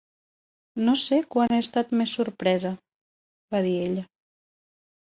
"No sé quan he estat més sorpresa", va dir ella.